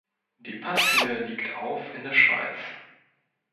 Die Passhöhe liegt auf in der Schweiz.